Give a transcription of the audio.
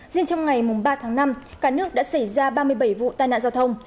riêng trong ngày ba tháng năm cả nước đã xảy ra ba mươi bảy vụ tai nạn giao thông